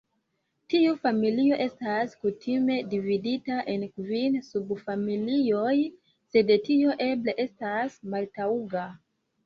Tiu familio estas kutime dividita en kvin subfamilioj, sed tio eble estas maltaŭga.